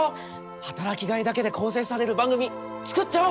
働きがいだけで構成される番組作っちゃおう！